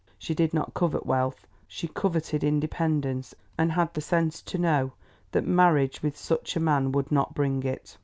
She did not covet wealth, she coveted independence, and had the sense to know that marriage with such a man would not bring it.